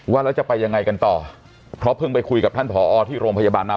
ว่าแล้วจะไปยังไงกันต่อเพราะเพิ่งไปคุยกับท่านผอที่โรงพยาบาลมา